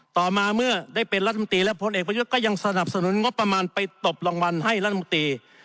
ต่อมาเมื่อได้เป็นรัฐมนตรีและพลเอกประยุทธ์ก็ยังสนับสนุนงบประมาณไปตบรางวัลให้รัฐมนตรี